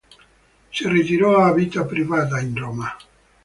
Si ritirò a vita privata in Roma.